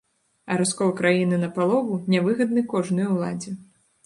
А раскол краіны напалову нявыгадны кожнай уладзе.